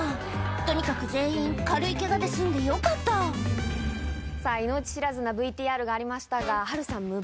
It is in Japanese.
とにかく全員軽いケガで済んでよかったさぁ命知らずなＶＴＲがありましたが波瑠さん。